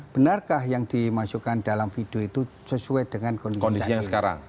benarkah yang dimasukkan dalam video itu sesuai dengan kondisi yang sekarang